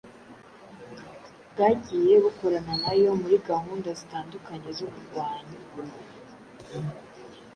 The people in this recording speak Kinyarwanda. bwagiye bukorana nayo muri gahunda zitandukanye zo kurwanya